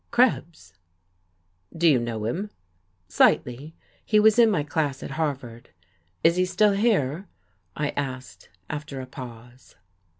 "Krebs." "Do you know him?" "Slightly. He was in my class at Harvard.... Is he still here?" I asked, after a pause.